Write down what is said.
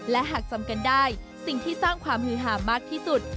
และหากจำกันได้สิ่งที่สร้างความฮือหามากที่สุด